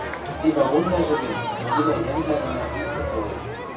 Ти вагонвлӓжӹ гӹнь мыгилӓ йӓмвлӓ доно иктӹ ылыт.